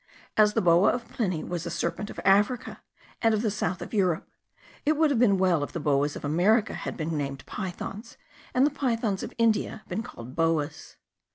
As the boa of Pliny was a serpent of Africa and of the south of Europe, it would have been well if the boas of America had been named pythons, and the pythons of India been called boas.